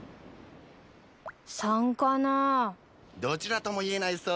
３どちらとも言えない。